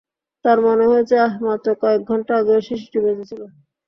তাঁর মনে হয়েছে, আহ্, মাত্র কয়েক ঘণ্টা আগেও শিশুটি বেঁচে ছিল।